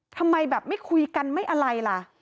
ทำไมแบบไม่คุยกันไม่อะไรล่ะ